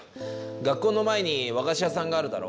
学校の前に和菓子屋さんがあるだろ？